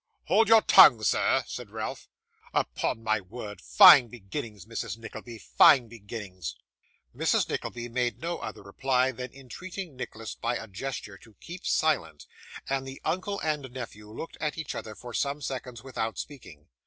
'Hold your tongue, sir,' said Ralph. 'Upon my word! Fine beginnings, Mrs Nickleby fine beginnings!' Mrs. Nickleby made no other reply than entreating Nicholas by a gesture to keep silent; and the uncle and nephew looked at each other for some seconds without speaking.